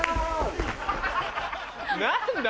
何だ？